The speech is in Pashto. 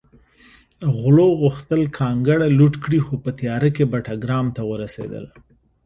غلو غوښتل کانګړه لوټ کړي خو په تیاره کې بټګرام ته ورسېدل